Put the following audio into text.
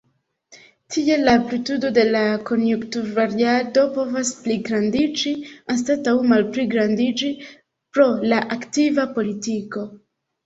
Tiel la amplitudo de la konjunkturvariado povas pligrandiĝi anstataŭ malpligrandiĝi pro la aktiva politiko.